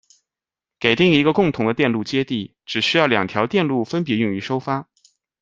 给定一个共同的电路接地，只需要两条电路分别用于收发。